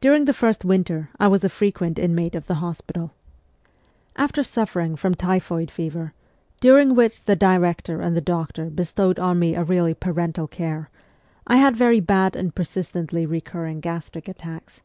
During the first winter I was a frequent inmate of the hospital. After suffering from typhoid fever, during which the director and the doctor bestowed on me a really parental care, I had very bad and persis tently recurring gastric attacks.